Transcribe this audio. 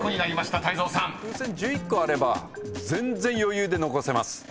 風船１１個あれば全然余裕で残せます。